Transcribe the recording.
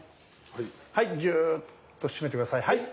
はいギューッと締めて下さい。